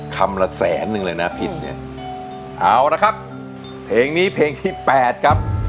คำละแสนนึงเลยนะพินเนี่ยเอาละครับเพลงนี้เพลงที่แปดครับ